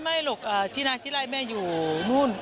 อ๋อไม่หรอกที่นานที่ไล่แม่อยู่นู่น